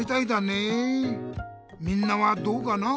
みんなはどうかな？